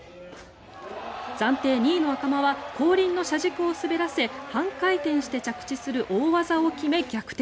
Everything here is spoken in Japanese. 暫定２位の赤間は後輪の車軸を滑らせ半回転して着地する大技を決め逆転。